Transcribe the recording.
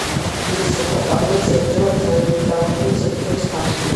მინისტრთა კაბინეტს ენიჭება ბრძანებით წარმოქმნილი საკითხების განხილვა.